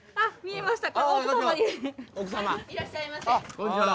こんにちは。